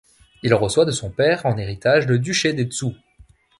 Il reçoit de son père en héritage le duché des Zhou.